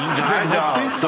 じゃあ。